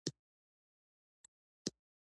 سړي وویل زما هغه ورځ یادیږي